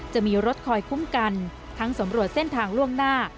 จะมีรถคอยคุ้มกันทั้งสำรวจเส้นทางล่วงหน้า